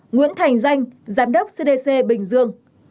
ba nguyễn thành danh giám đốc cdc bình dương